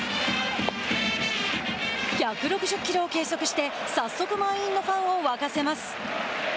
１６０キロを計測して早速満員のファンを沸かせます。